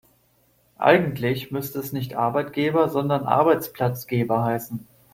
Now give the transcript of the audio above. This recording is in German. Eigentlich müsste es nicht Arbeitgeber, sondern Arbeitsplatzgeber heißen.